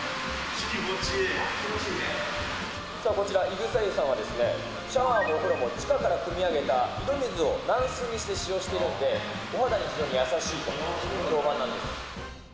さあこちら、井草湯さんはですね、シャワーもお風呂も地下からくみ上げた井戸水を軟水にして使用しているんで、お肌に非常に優しいと評判なんです。